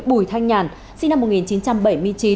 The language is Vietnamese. bùi thanh nhàn sinh năm một nghìn chín trăm bảy mươi chín